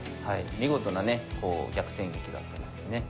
見事なね逆転劇だったですよね。